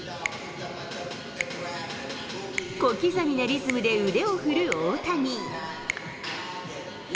小刻みなリズムで腕を振る大谷。